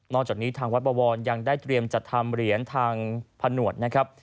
จากนี้ทางวัดบวรยังได้เตรียมจัดทำเหรียญทางผนวดนะครับ